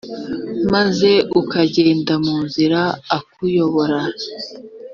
maze ukagenda mu nzira akuyobora.